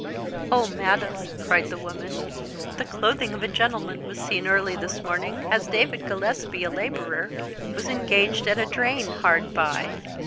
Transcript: "Oh, madam," cried the woman, "the clothing of a gentleman was seen early this morning as David Gillespie, a labourer, was engaged at a drain hard by.